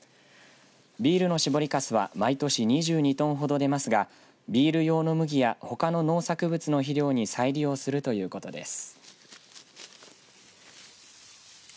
ビールの搾りかすは毎年２２トンほど出ますがビール用の麦やほかの農作物の肥料に再利用するということです。